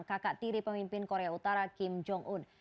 kakak tiri pemimpin korea utara kim jong un